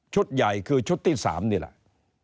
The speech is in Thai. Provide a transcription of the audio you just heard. ใหญ่คือชุดที่๓นี่แหละ